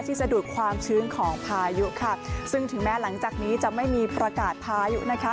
สะดุดความชื้นของพายุค่ะซึ่งถึงแม้หลังจากนี้จะไม่มีประกาศพายุนะคะ